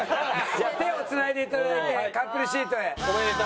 じゃあ手をつないでいただいてカップルシートへ。